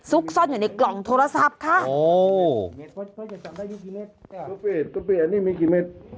ซุกซ่อนอยู่ในกล่องโทรศัพท์ค่ะโอ้พอเจ๋งจำได้ยี่กี่เม็ดอันนี้มีกี่เม็ด